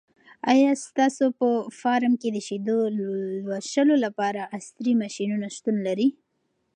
آیا ستاسو په فارم کې د شیدو لوشلو لپاره عصري ماشینونه شتون لري؟